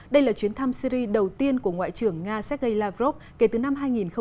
đây là chuyến thăm syri đầu tiên của ngoại trưởng nga sergei lavrov kể từ năm hai nghìn một mươi